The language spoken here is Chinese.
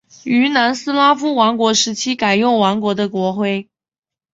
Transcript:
于南斯拉夫王国时期改用王国的国徽。